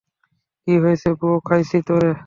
কী হয়েছে ব্রো - খাইছি তোরে।